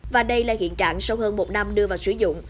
và đây là hiện trạng sau hơn một năm đưa vào sử dụng